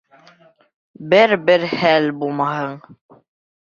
Бер-бер хәл булмаһын.